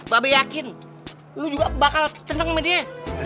babe yakin lo juga bakal teneng sama dia